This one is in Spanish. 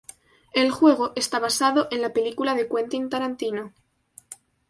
El juego está basado en la película de Quentin Tarantino.